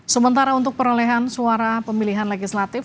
sementara untuk perolehan suara pemilihan legislatif